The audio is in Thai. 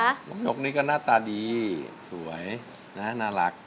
นกนี่ก็หน้าตาดีสวยนะน่ารัก